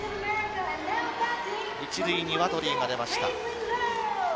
１塁にワトリーが出ました。